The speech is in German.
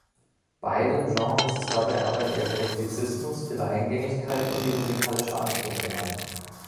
Beiden Genres ist dabei aber ihr Eklektizismus, ihre Eingängigkeit und ihr musikalischer Anspruch gemein.